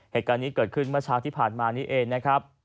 เหตุการณ์นี้เกิดขึ้นเมื่อเช้าที่ผ่านมานี้เองนะครับ